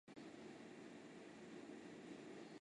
丰丘村是长野县下伊那郡北部的一村。